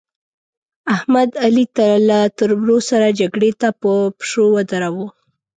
احمد؛ علي له تربرو سره جګړې ته په پشو ودراوو.